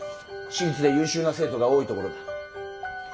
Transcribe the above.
私立で優秀な生徒が多いところだ。